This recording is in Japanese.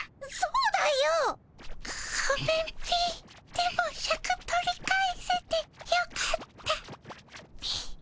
でもシャク取り返せてよかったっピィ。